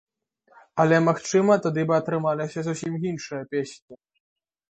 Але магчыма тады бы атрымаліся зусім іншыя песні.